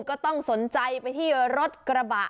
ก็ต้องสนใจไปที่รถกระบะ